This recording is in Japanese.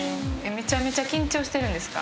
めちゃめちゃ緊張してるんですか？